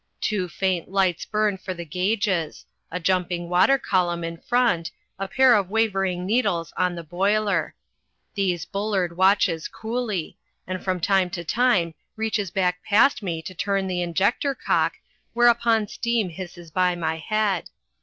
Two faint lights burn for the gages a jumping water column in front, a pair of wavering needles on the boiler. These Bullard watches coolly, and from time to time reaches back past me to turn the injector cock, whereupon steam hisses by my head.